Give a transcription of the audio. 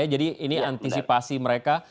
jadi ini antisipasi mereka